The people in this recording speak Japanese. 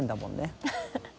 ハハハ